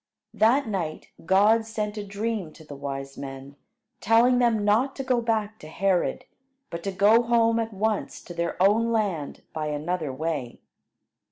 That night God sent a dream to the wise men, telling them not to go back to Herod, but to go home at once to their own land by another way.